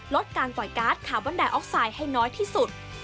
ลดการปล่อยการ์ดคาร์บอนไดออกไซด์ให้น้อยที่สุด